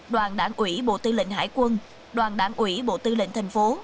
đoàn đảng ủy bộ tư lệnh hải quân đoàn đảng ủy bộ tư lệnh tp